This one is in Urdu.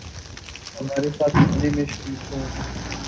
ہمارے ساتھ کھانے میں شریک ہوں